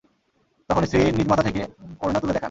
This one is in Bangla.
তখন স্ত্রী নিজ মাথা থেকে ওড়না তুলে দেখান।